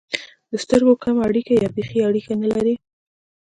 د سترګو کمه اړیکه یا بېخي اړیکه نه لري.